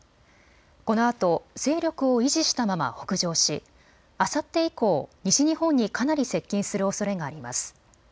このあと、勢力を維持したまま北上し、あさって以降、西日本にかなり接近するおそれがあります。